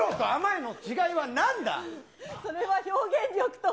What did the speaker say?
それは表現力とか。